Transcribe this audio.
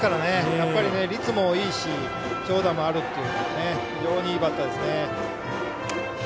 やっぱり率もいいし長打もあるという非常にいいバッターです。